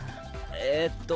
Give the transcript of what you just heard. えっと。